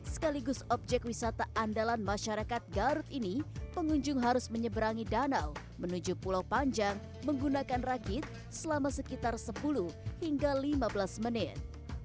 sekaligus objek wisata andalan masyarakat garut ini pengunjung harus menyeberangi danau menuju pulau panjang menggunakan rakit selama sekitar sepuluh hingga lima belas menit